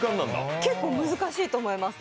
結構難しいと思います。